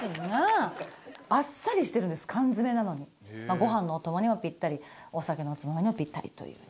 ご飯のお供にもぴったりお酒のおつまみにもぴったりというね。